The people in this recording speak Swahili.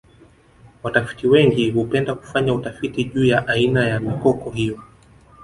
watafiti wengi hupenda kufanya utafiti juu ya aina ya mikoko hiyo